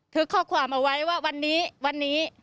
ข้อความเอาไว้ว่าวันนี้วันนี้